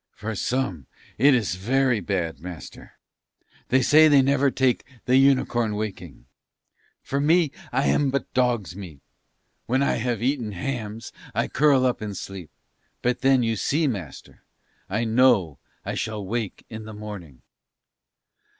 "For some it is very bad, master. They say they never take the unicorn waking. For me I am but dog's meat: when I have eaten hams I curl up and sleep; but then you see, master, I know I shall wake in the morning."